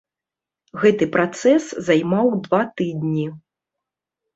Гэты працэс займаў два тыдні.